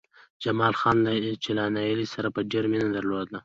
جمال خان چې له نايلې سره يې ډېره مينه درلوده